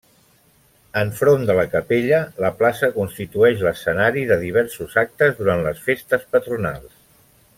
Enfront de la capella, la plaça constitueix l'escenari de diversos actes durant les festes patronals.